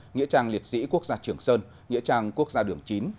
nghĩa trang liệt sĩ quốc gia trường sơn nghĩa trang quốc gia đường chín